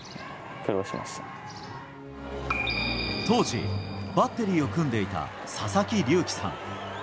当時、バッテリーを組んでいた佐々木隆貴さん。